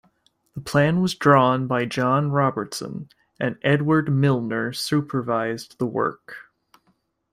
The plan was drawn by John Robertson and Edward Milner supervised the work.